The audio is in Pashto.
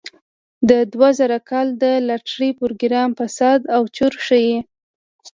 د دوه زره کال د لاټرۍ پروګرام فساد او چور ښيي.